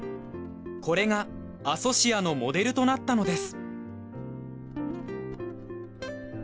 これがアソシアのモデルとなったのです。